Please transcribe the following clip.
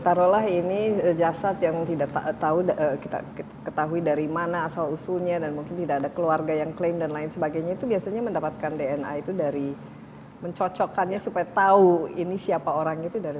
taruhlah ini jasad yang tidak tahu kita ketahui dari mana asal usulnya dan mungkin tidak ada keluarga yang klaim dan lain sebagainya itu biasanya mendapatkan dna itu dari mencocokkannya supaya tahu ini siapa orang itu